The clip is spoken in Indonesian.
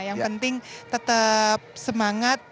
yang penting tetap semangat